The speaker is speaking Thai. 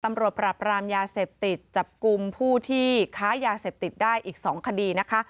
ปรับรามยาเสพติดจับกลุ่มผู้ที่ค้ายาเสพติดได้อีก๒คดีนะคะ